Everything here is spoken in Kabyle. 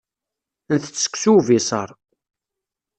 Ntett seksu ubiṣaṛ.